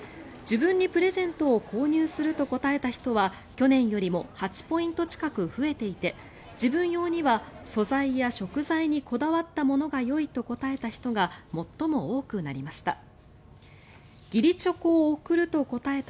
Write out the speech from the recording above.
自分にプレゼントを購入すると答えた人は去年よりも８ポイント近く増えていて自分用には素材や食材にこだわったものがよいと答えた人が最も多くなりました。